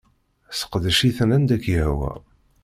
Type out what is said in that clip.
Sseqdec-iten anda k-yehwa.